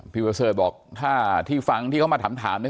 พี่เวอร์เซอร์บอกถ้าที่ฟังที่เขามาถามถามเนี่ย